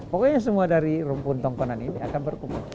pokoknya semua dari rumpun tongkonan ini akan berkumpul